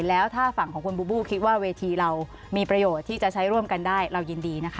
แล้วถ้าฝั่งของคุณบูบูคิดว่าเวทีเรามีประโยชน์ที่จะใช้ร่วมกันได้เรายินดีนะคะ